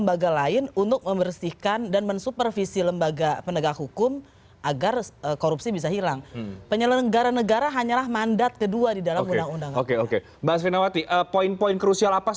mbak aswinawati poin poin krusial apa